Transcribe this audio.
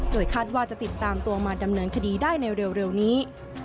โดยคาดว่าจะติดตามตัวมาดำเนินคดีได้ในเร็วนี้